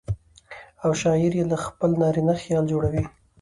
او شاعر يې له خپل نارينه خياله جوړوي.